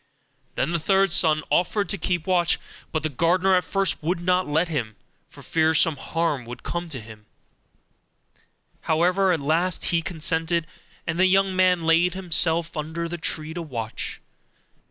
Then the third son offered to keep watch; but the gardener at first would not let him, for fear some harm should come to him: however, at last he consented, and the young man laid himself under the tree to watch.